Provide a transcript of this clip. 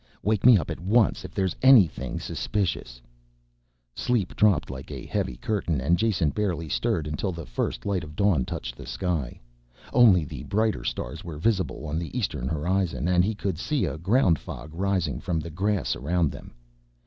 "Wake me up at once if there's anything suspicious." Sleep dropped like a heavy curtain and Jason barely stirred until the first light of dawn touched the sky. Only the brighter stars were visible on the eastern horizon and he could see a ground fog rising from the grass around them.